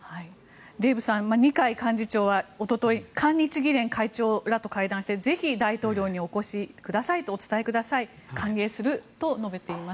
デーブさん二階幹事長は、一昨日韓日議連会長らと会談してぜひ大統領にお越しくださいとお伝えください。歓迎すると述べています。